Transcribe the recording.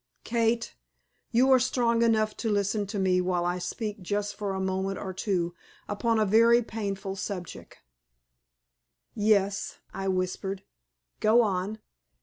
"Kate! You are strong enough to listen to me while I speak just for a moment or two upon a very painful subject." "Yes," I whispered. "Go on."